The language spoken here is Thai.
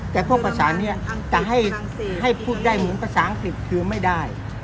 แต่พวกภาษานี้จะให้พูดได้เหมือนภาษาอังกฤษคือไม่ได้